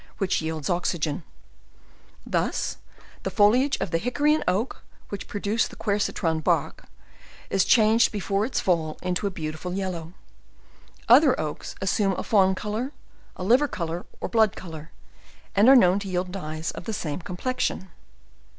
which yields oxygen: thus the foliage of the hickory and oak, which produce the quercitron bark, is changed before its tali into a beautiful yellow: other oaks assume a fawn color, a liver col or, or blood color, and are known to y it Id dyes of the same complexion.